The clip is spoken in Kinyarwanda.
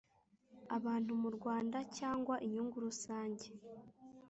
abantu mu Rwanda cyangwa inyungu rusange